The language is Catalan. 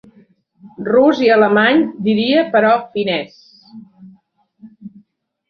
Rus i alemany, diria, però finès...